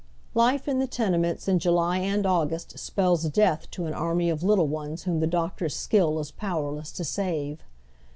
Life in the tenements ia July and August spells death to an army of little ones whom the doctor's skill is powerless to save.